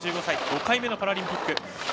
ベテランの３５歳５回目のパラリンピック。